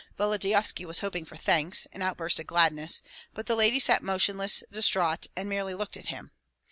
Volodyovski was hoping for thanks, an outburst of gladness; but the lady sat motionless, distraught, and merely looked at him.